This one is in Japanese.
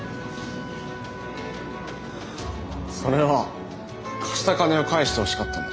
それは貸した金を返してほしかったので。